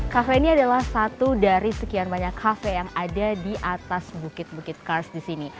kafe ini adalah satu dari sekian banyak kafe yang ada di atas bukit bukit kars di sini